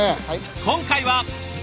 今回は。